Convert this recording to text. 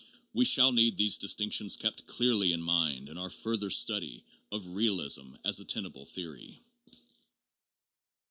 We shall need these distinctions kept clearly in mind in our further study of realism as a tenable theory.